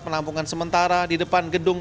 penampungan sementara di depan gedung